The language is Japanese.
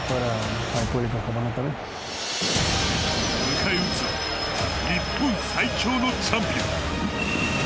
迎え撃つは日本最強のチャンピオン。